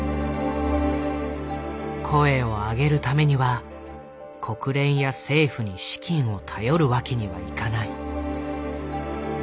声を上げるためには国連や政府に資金を頼るわけにはいかない。